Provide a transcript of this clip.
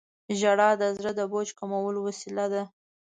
• ژړا د زړه د بوج کمولو وسیله ده.